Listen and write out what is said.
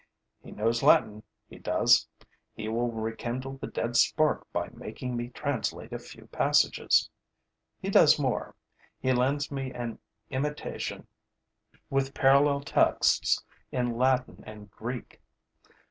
He knows Latin, he does; he will rekindle the dead spark by making me translate a few passages. He does more: he lends me an Imitation with parallel texts in Latin and Greek.